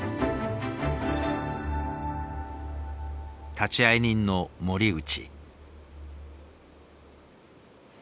立会人の森内。